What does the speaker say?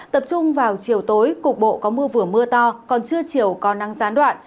tập trung vào chiều tối cục bộ có mưa vừa mưa to còn trưa chiều có năng gián đoạn